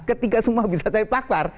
ketika semua bisa cari pakar